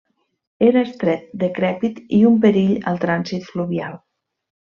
Era estret, decrèpit i un perill al trànsit fluvial.